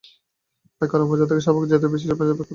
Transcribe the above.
তাই কারওয়ান বাজার থেকে শাহবাগ যেতে বেশি বেগ পেতে হলো না।